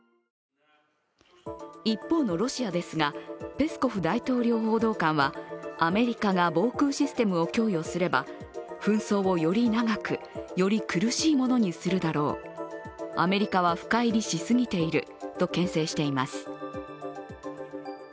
一方のロシアですが、ペスコフ大統領報道官はアメリカが、防空システムを供与すれば、紛争をより長くより苦しいものにするだろう、アメリカは深入りしすぎているとけん制しています。